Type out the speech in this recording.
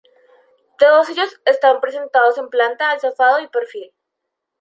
Todos ellos están presentados en planta, alzado y perfil.